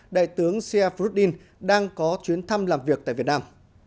đại tướng sia froudin đang có chuyến thăm làm việc tại việt nam